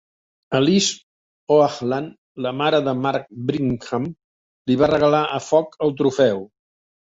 Alice Hoagland, la mare de Mark Bingham, li va regalar a Fog el trofeu.